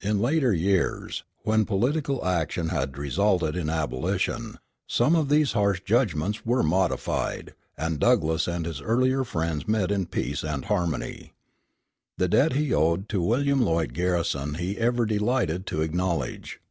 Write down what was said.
In later years, when political action had resulted in abolition, some of these harsh judgments were modified, and Douglass and his earlier friends met in peace and harmony. The debt he owed to William Lloyd Garrison he ever delighted to acknowledge.